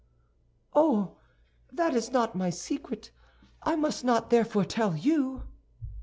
"Oh, that is not my secret; I must not, therefore, tell you."